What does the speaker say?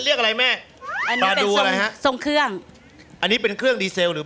เรียกอะไรแม่อันนี้มาดูอะไรฮะทรงเครื่องอันนี้เป็นเครื่องดีเซลหรือ